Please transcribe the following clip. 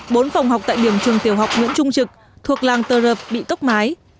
bốn phòng học tại điểm trường tiểu học nguyễn trung trực thuộc làng tờ rợp bị tốc mái